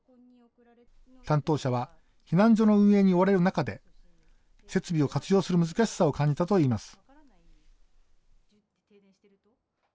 担当者は避難所の運営に追われる中で設備を活用する難しさを感じたといいます。